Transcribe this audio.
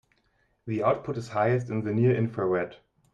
The output is highest in the near infrared.